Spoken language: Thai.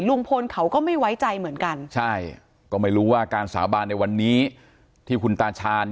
ลุงพลเขาก็ไม่ไว้ใจเหมือนกันใช่ก็ไม่รู้ว่าการสาบานในวันนี้ที่คุณตาชาญ